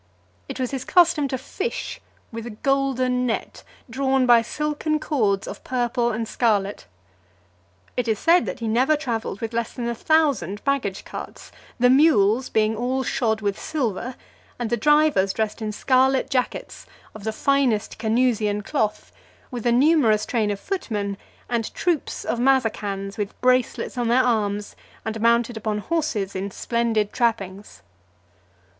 It was his custom to fish with a golden net, drawn by silken cords of purple and scarlet. It is said, that he never travelled with less than a thousand baggage carts; the mules being all shod with silver, and the drivers dressed in scarlet jackets of the finest Canusian cloth , with a numerous train of footmen, and troops of Mazacans , with bracelets on their arms, and mounted upon horses in splendid trappings.